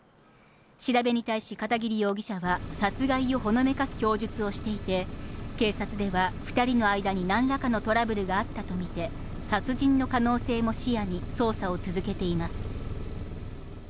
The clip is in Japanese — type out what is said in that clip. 調べに対し、片桐容疑者は殺害をほのめかす供述をしていて、警察では２人の間になんらかのトラブルがあったと見て、殺人の可能性も視野に、捜査を続けています。